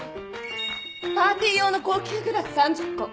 パーティー用の高級グラス３０個。